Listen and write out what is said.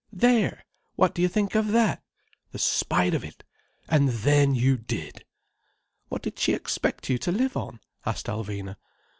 There! What do you think of that? The spite of it! 'And then you did!'" "What did she expect you to live on?" asked Alvina.